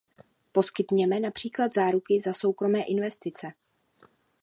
Poskytněme například záruky za soukromé investice.